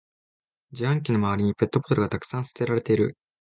自販機の周りにペットボトルがたくさん捨てられてる